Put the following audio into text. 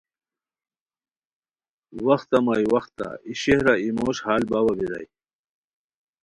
وختہ مائی وختہ ای شہرہ ای موش ہال باوا بیرائے